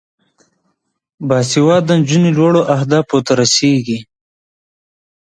باسواده نجونې لوړو اهدافو ته رسیږي.